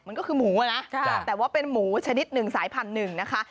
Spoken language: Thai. มันก็คือหมูอ่ะนะแต่ว่าเป็นหมูชนิดหนึ่งสายพันธุ์หนึ่งนะคะ